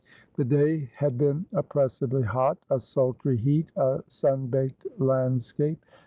The day had been oppressively hot — a sultry heat, a sun baked landscape.